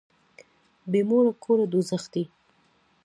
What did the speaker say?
بي موره کور دوږخ دی.